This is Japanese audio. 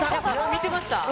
見てました？